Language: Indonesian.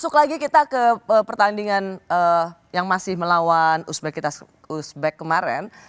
kita ke pertandingan yang masih melawan uzbek kemarin